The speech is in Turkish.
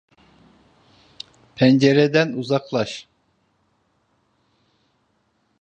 Pencereden uzaklaş.